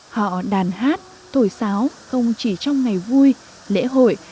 họ đàn hát thổi sáo không chỉ trong ngày vui lễ hội